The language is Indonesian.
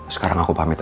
sekarang aku pamit ya pa